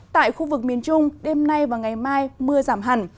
tại khu vực miền trung đêm nay và ngày mai mưa giảm hẳn